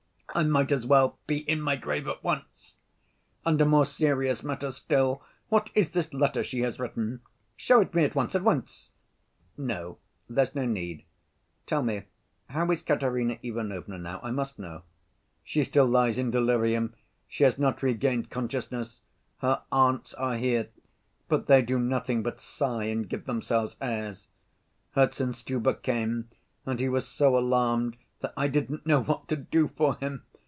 I might as well be in my grave at once. And a more serious matter still, what is this letter she has written? Show it me at once, at once!" "No, there's no need. Tell me, how is Katerina Ivanovna now? I must know." "She still lies in delirium; she has not regained consciousness. Her aunts are here; but they do nothing but sigh and give themselves airs. Herzenstube came, and he was so alarmed that I didn't know what to do for him.